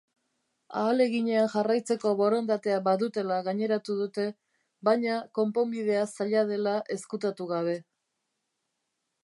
Ahaleginean jarraitzeko borondatea badutela gaineratu dute, baina konponbidea zaila dela ezkutatu gabe.